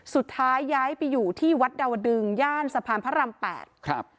สุดท้ายย้ายไปอยู่ที่วัดดาวดึงย่านสะพานพระรามแปดครับ